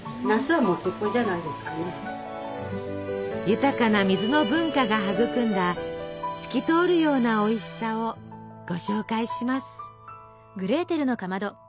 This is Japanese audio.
豊かな水の文化が育んだ透き通るようなおいしさをご紹介します。